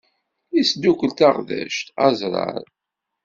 Isdukkel tagdect, aẓrar.